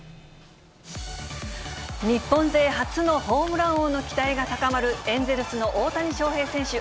日本勢初のホームラン王の期待が高まる、エンゼルスの大谷翔平選手。